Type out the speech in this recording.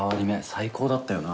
最高だったよな。